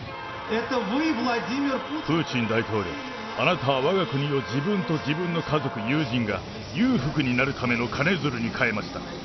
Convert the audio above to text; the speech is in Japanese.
プーチン大統領、あなたはわが国を自分と自分の家族、友人が、裕福になるための金づるに変えました。